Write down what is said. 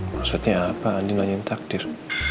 maksudnya apa andien nanya takdir